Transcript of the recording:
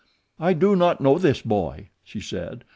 "I do not know this boy," she said.